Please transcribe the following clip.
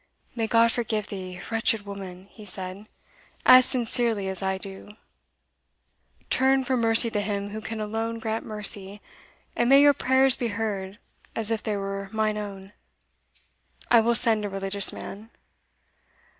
"May God forgive thee, wretched woman," he said, "as sincerely as I do! Turn for mercy to Him who can alone grant mercy, and may your prayers be heard as if they were mine own! I will send a religious man."